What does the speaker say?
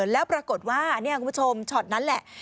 แล้วปรากฏว่านี่คุณผู้ชมช็อตนั้นแหละ